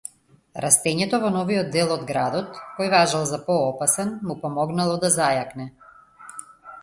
Растењето во новиот дел од градот, кој важел за поопасен, му помогнално да зајакне.